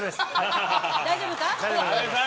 大丈夫か？